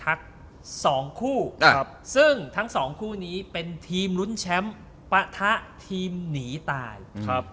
สองคู่ซึ่งทั้งสองคู่นี้เป็นทีมลุ้นแชมป์ปะทะทีมหนีตายครับ